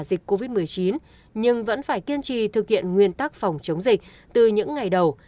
dịch covid một mươi chín nhưng vẫn phải kiên trì thực hiện nguyên tắc phòng chống dịch từ những ngày đầu